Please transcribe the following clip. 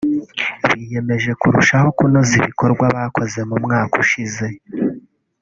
Biyemeje kurushaho kunoza ibikorwa bakoze mu mwaka ushize